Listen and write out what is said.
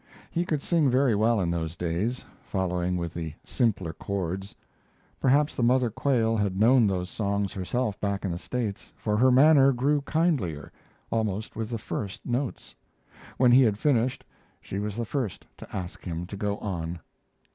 He could sing very well in those days, following with the simpler chords. Perhaps the mother "Quail" had known those songs herself back in the States, for her manner grew kindlier, almost with the first notes. When he had finished she was the first to ask him to go on.